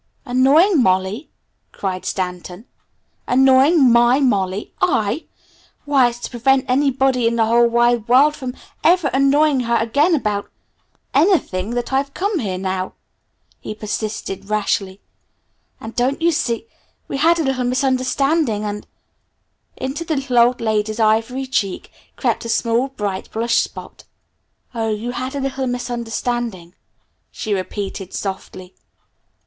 "Annoying Molly?" cried Stanton. "Annoying my Molly? I? Why, it's to prevent anybody in the whole wide world from ever annoying her again about anything, that I've come here now!" he persisted rashly. "And don't you see we had a little misunderstanding and " Into the little old lady's ivory cheek crept a small, bright, blush spot. "Oh, you had a little misunderstanding," she repeated softly.